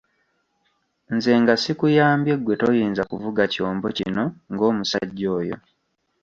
Nze nga sikuyambye ggwe toyinza kuvuga kyombo kino ng'omusajja oyo